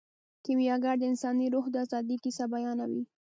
کیمیاګر د انساني روح د ازادۍ کیسه بیانوي.